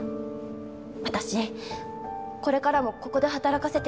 私これからもここで働かせて頂きたいです。